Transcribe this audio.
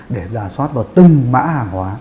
để ra soát vào từng mã hàng hóa